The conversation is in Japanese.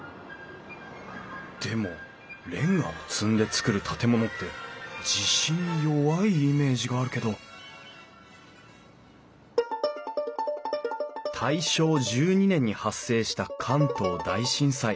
でもれんがを積んで造る建物って地震に弱いイメージがあるけど大正１２年に発生した関東大震災。